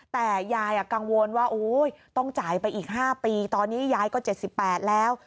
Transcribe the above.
แต่ยายกังวลว่าต้องจ่ายไปอีก๕ปีตอนนี้ยายก็๗๘แล้ว